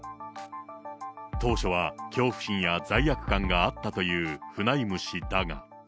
当初は恐怖心や罪悪感があったというフナイム氏だが。